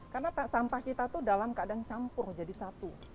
karena sampah kita itu dalam keadaan campur jadi satu